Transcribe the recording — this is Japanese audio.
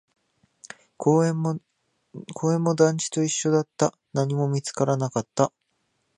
公園も団地と一緒だった、何も見つからなかった